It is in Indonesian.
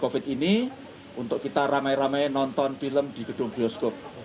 covid sembilan belas ini untuk kita rame rame nonton film di gedung bioskop